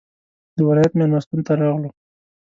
د ولایت مېلمستون ته راغلو.